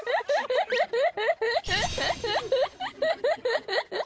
フフフフフ！